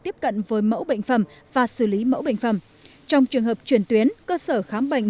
tiếp cận với mẫu bệnh phẩm và xử lý mẫu bệnh phẩm trong trường hợp chuyển tuyến cơ sở khám bệnh